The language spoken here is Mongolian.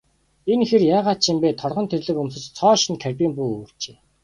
Энэ хэр яагаад ч юм бэ, торгон тэрлэг өмсөж, цоо шинэ карбин буу үүрчээ.